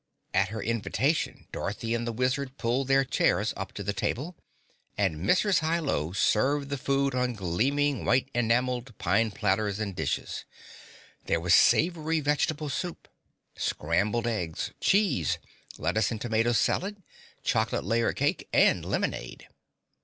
At her invitation Dorothy and the Wizard pulled their chairs up to a table, and Mrs. Hi Lo served the food on gleaming white enameled pine platters and dishes. There was savory vegetable soup, scrambled eggs, cheese, lettuce and tomato salad, chocolate layer cake and lemonade.